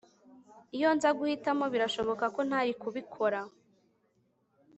Iyo nza guhitamo birashoboka ko ntari kubikora